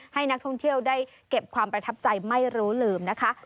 ให้นักท่องเที่ยวได้เก็บความประทับใจไม่รู้ลืมนะคะ